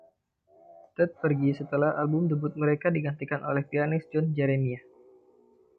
Ted pergi setelah album debut mereka digantikan oleh pianis John Jeremiah.